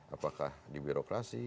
apakah di birokrasi